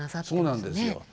そうなんですよ。